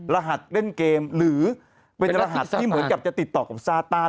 รหัสเล่นเกมหรือเป็นรหัสที่เหมือนกับจะติดต่อกับซาตาน